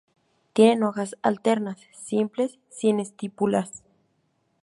Tienen hojas alternas, simples, sin estípulas.